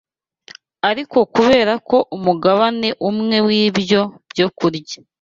Ariko kubera ko umugabane umwe w’ibyo byokurya